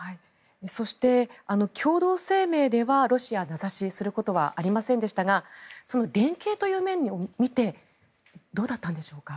そして、共同声明ではロシアを名指しすることはありませんでしたが連携という面で見てどうだったんでしょうか。